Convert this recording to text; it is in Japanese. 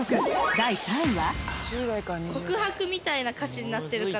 第３位は